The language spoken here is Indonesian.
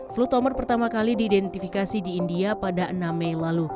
flutomer pertama kali didentifikasi di india pada enam mei lalu